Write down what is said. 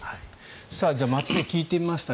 じゃあ、街で聞いてみました。